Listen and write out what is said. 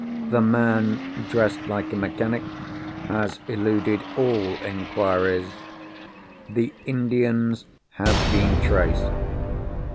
The man dressed like a mechanic has eluded all inquiries. The Indians have been traced.